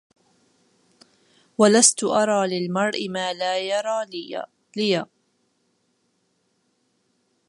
وَلَستُ أَرى لِلمَرءِ ما لا يَرى لِيا